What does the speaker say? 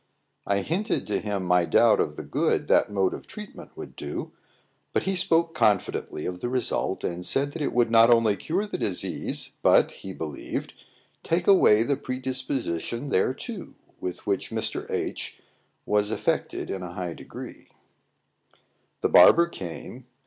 I hinted to him my doubt of the good that mode of treatment would do; but he spoke confidently of the result, and said that it would not only cure the disease, but, he believed, take away the predisposition thereto, with which Mr. H was affected in a high degree. The barber came.